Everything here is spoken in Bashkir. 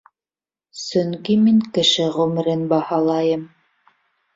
Сөнки мин кеше ғүмерен баһалайым.